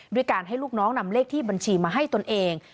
ด้วยการให้ลูกน้องนำเลขที่บัญชีมาให้ตนเอง